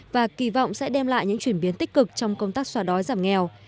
và kỳ vọng sẽ đem lại những chuyển biến tích cực trong công tác xóa đói giảm nghèo